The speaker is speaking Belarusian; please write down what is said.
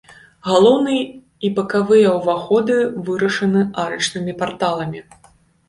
Галоўны і бакавыя ўваходы вырашаны арачнымі парталамі.